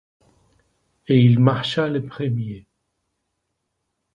Et il marcha le premier.